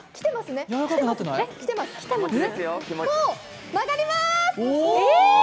おー、曲がります。